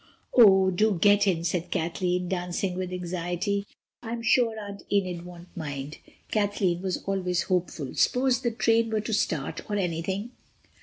"Oh, do get in," said Kathleen, dancing with anxiety, "I'm sure Aunt Enid won't mind,"—Kathleen was always hopeful—"suppose the train were to start or anything!"